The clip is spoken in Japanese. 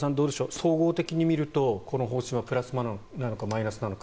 総合的に見るとこの方針はプラスなのかマイナスなのか。